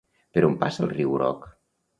Per on passa el Riu Groc?